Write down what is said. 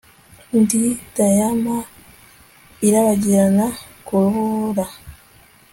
ndi diyama irabagirana ku rubura